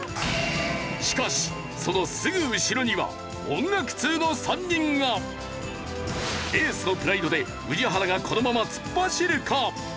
しかしそのすぐ後ろにはエースのプライドで宇治原がこのまま突っ走るか？